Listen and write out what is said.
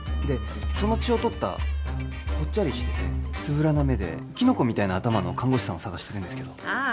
その血を採ったぽっちゃりしててつぶらな目できのこみたいな頭の看護師さんを捜してますああ